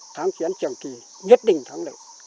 thắng chiến chẳng kỳ nhất định thắng được